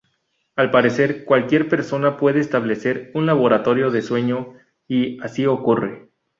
Al parecer, cualquier persona puede establecer un laboratorio de sueño, y así ocurre.